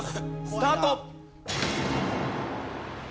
スタート！